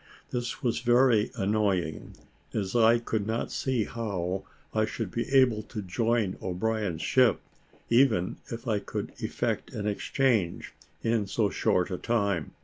This was very annoying, as I could not see how I should be able to join O'Brien's ship, even if I could effect an exchange, in so short a time.